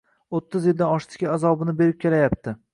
O‘ttiz yildan oshdiki azobini berib kelayapti.